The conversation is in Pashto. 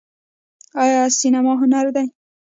آیا سینما هنر دی؟